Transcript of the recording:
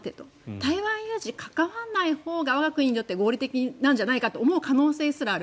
台湾有事関わらないほうが我が国にとって合理的なんじゃないかと思う可能性すらある。